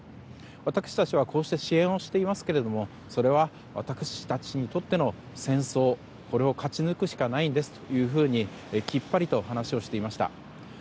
私たちは支援をしていますけれどもそれは私たちにとっての戦争を勝ち抜くしかないんですときっぱりと話していました。